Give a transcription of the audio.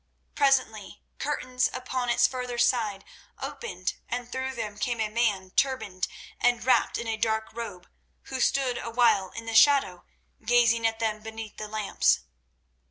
Presently curtains upon its further side opened and through them came a man turbaned and wrapped in a dark robe, who stood awhile in the shadow, gazing at them beneath the lamps.